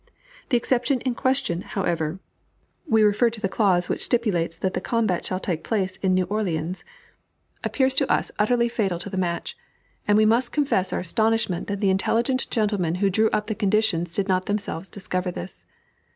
The exception in question, however, (we refer to the clause which stipulates that the combat shall take place in New Orleans!) appears to us utterly fatal to the match; and we must confess our astonishment that the intelligent gentlemen who drew up the conditions did not themselves discover this.